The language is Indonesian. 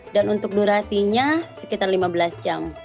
dan untuk durasinya sekitar lima belas jam